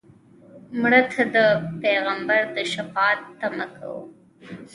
مړه ته د پیغمبر د شفاعت تمه کوو